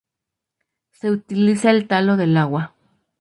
Se utiliza el talo del alga.